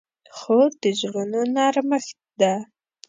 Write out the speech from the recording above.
خور د زړونو نرمښت ده.